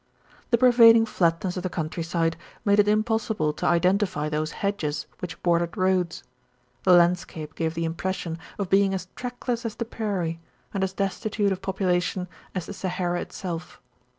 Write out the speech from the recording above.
The pervading flatness of the countryside made it impossible to identify those hedges which bordered roads. The landscape gave the impression of being as trackless as the prairie, and as destitute of popu lation as the Sahara itself.